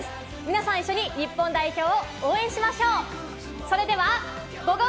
皆さん一緒に日本代表を応援しましょう！